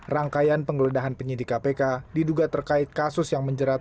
rangkaian penggeledahan penyidik kpk diduga terkait kasus yang menjerat